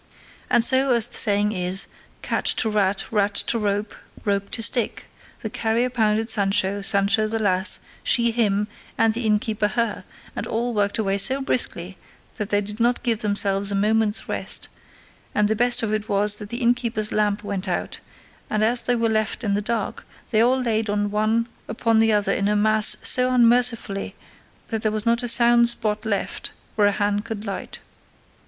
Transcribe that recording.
And so, as the saying is, cat to rat, rat to rope, rope to stick, the carrier pounded Sancho, Sancho the lass, she him, and the innkeeper her, and all worked away so briskly that they did not give themselves a moment's rest; and the best of it was that the innkeeper's lamp went out, and as they were left in the dark they all laid on one upon the other in a mass so unmercifully that there was not a sound spot left where a hand could light.